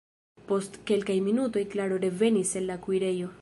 Post kelkaj minutoj Klaro revenis el la kuirejo.